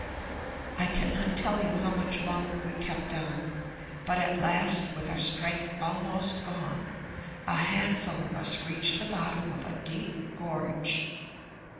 "I cannot tell you how much longer we kept on but at last, with our strength almost gone, a handful of us reached the bottom of a deep gorge.